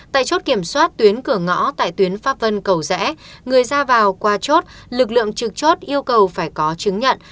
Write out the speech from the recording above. tại chốt kiểm soát tuyến cửa ngõ tại tuyến pháp vân cầu rẽ người ra vào qua chốt lực lượng trực chốt yêu cầu phải có chứng nhận